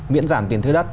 miễn giảm tiền thuê đất